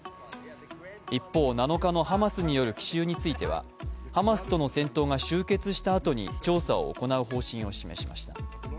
一方、７日のハマスによる奇襲についてはハマスとの戦闘が終結したあとに調査を行う方針を示しました。